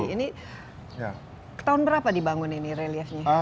ini tahun berapa dibangun ini reliefnya